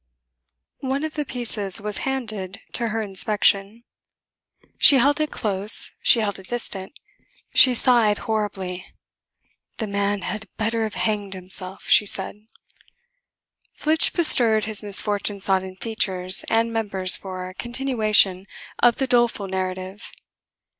One of the pieces was handed to her inspection. She held it close, she held it distant. She sighed horribly. "The man had better have hanged himself," said she. Flitch bestirred his misfortune sodden features and members for a continuation of the doleful narrative.